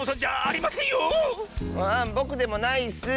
ぼくでもないッス。